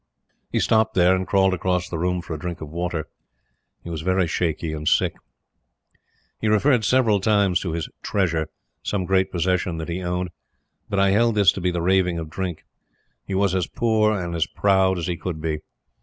He stopped here, and crawled across the room for a drink of water. He was very shaky and sick. He referred several times to his "treasure" some great possession that he owned but I held this to be the raving of drink. He was as poor and as proud as he could be.